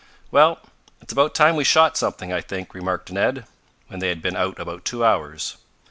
"Well, it's about time we shot something, I think," remarked Ned, when they had been out about two hours.